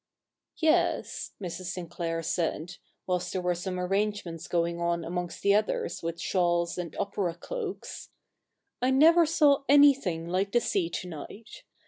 ' Yes,' Mrs. Sinclair said, whilst there were some arrange ments going on amongst the others with shawls and opera cloaks, ' I never saw anything like the sea to night.